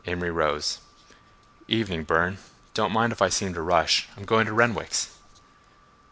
Amory rose. "'Evening, Burne. Don't mind if I seem to rush; I'm going to Renwick's."